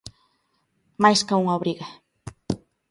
Máis ca unha obriga.